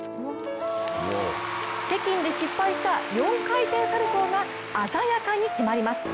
北京で失敗した４回転サルコウが鮮やかに決まります。